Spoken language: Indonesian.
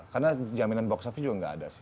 karena jaminan box office juga nggak ada sih